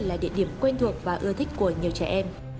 là địa điểm quen thuộc và ưa thích của nhiều trẻ em